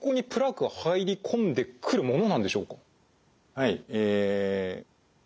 はい。